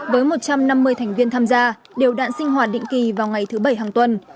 với một trăm năm mươi thành viên tham gia đều đạn sinh hoạt định kỳ vào ngày thứ bảy hàng tuần